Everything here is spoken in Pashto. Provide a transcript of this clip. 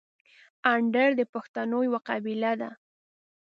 اندړ د پښتنو یوه قبیله ده.